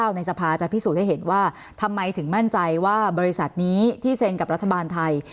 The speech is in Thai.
ในสภาจะพิสูจน์ให้เห็นว่าทำไมถึงมั่นใจว่าบริษัทนี้ที่เซ็นกับรัฐบาลไทย